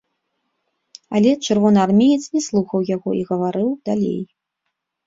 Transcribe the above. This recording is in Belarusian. Але чырвонаармеец не слухаў яго і гаварыў далей.